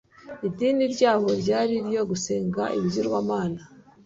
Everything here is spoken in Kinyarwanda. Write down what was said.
idini ryabo ryari iryo gusenga ibigirwamana